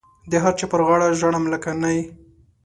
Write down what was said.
د هر چا پر غاړه ژاړم لکه نی.